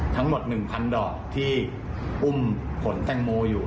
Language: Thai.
ทั้งหมดหนึ่งพันดอกที่อุ้มผลตังโมอยู่